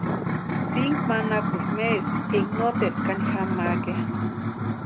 Sinku manakurhiri maesti énka noteru kani jamakʼa ya.